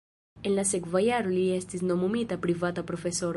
En la sekva jaro li estis nomumita privata profesoro.